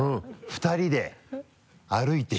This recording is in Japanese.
２人で歩いて帰る。